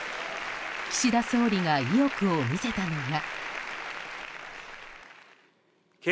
岸田総理が意欲を見せたのが。